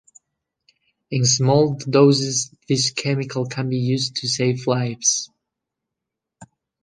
In small doses this chemical can be used to save lives.